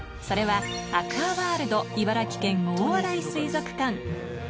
それは、アクアワールド茨城県大洗水族館。